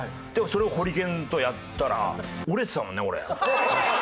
それをホリケンとやったら折れてたもんね俺。